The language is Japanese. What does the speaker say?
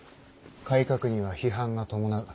改革には批判が伴う。